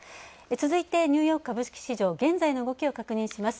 続いて、ニューヨーク株式市場現在の動きを確認します。